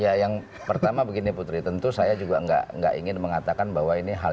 ya yang pertama begini putri tentu saya juga nggak ingin mengatakan bahwa ini hal